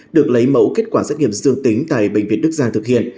được lấy mẫu kết quả xét nghiệm dương tính tại bệnh viện đức giang thực hiện